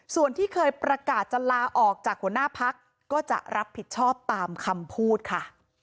ส่วนที่เคยประกาศจะลาออกจากหัวหน้าพักก็จะรับผิดชอบตามคำพูดค่ะ